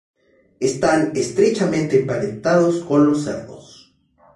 Están estrechamente emparentados con los cedros.